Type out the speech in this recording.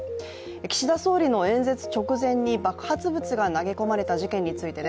岸田総理の演説直前に爆発物が投げ込まれた事件です。